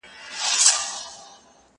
زه به سبا ځواب ليکم،